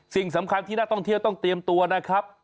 สิ่งสำคัญที่นักท่องเที่ยวต้องเตรียมตัวนะครับ